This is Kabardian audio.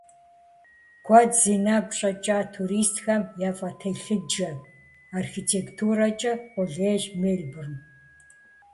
Куэд зи нэгу щӀэкӀа туристхэм яфӀэтелъыджэ архитектурэкӀэ къулейщ Мельбурн.